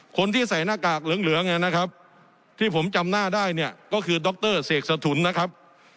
คนที่ใส่หน้ากากเหลืองเหลืองเนี่ยนะครับที่ผมจำหน้าได้เนี่ยก็คือดรเสกสถุนนะครับ